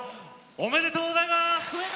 おめでとうございます！